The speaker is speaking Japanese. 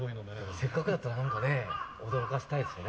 せっかくだったら驚かせたいですね。